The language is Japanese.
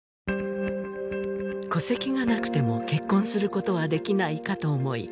戸籍がなくても結婚することはできないかと思い